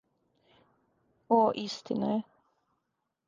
О, истина је.